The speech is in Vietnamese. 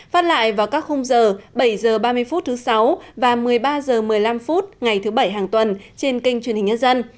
phát lại vào các khung giờ bảy h ba mươi phút thứ sáu và một mươi ba h một mươi năm phút ngày thứ bảy hàng tuần trên kênh truyền hình nhân dân